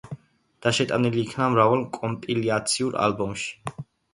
და შეტანილი იქნა მრავალ კომპილაციურ ალბომში.